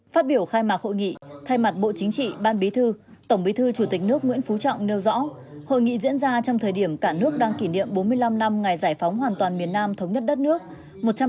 phát biểu khai mạc hội nghị thay mặt bộ chính trị ban bí thư tổng bí thư chủ tịch nước nguyễn phú trọng nêu rõ hội nghị diễn ra trong thời điểm cả nước đang kỷ niệm bốn mươi năm năm ngày giải phóng hoàn toàn miền nam thống nhất đất nước